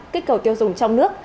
kết cầu tiêu dùng trong nước